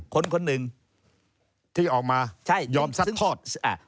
คนหนึ่งที่ออกมายอมซัดทอด